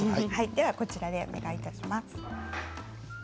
こちらにお願いします。